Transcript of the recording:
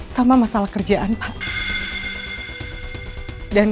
saya punya kesabaran